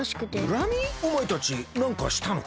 おまえたちなんかしたのか？